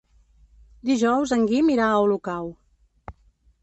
Dijous en Guim irà a Olocau.